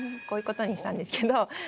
こういうことにしたんですけど。